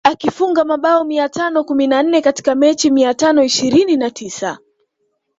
Akifunga mabao mia tano kumi na nne katika mechi mia tano ishirini na tisa